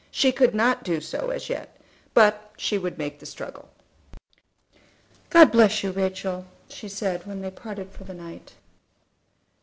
She could not do so as yet, but she would make the struggle. "God bless you, Rachel!" she said, when they parted for the night.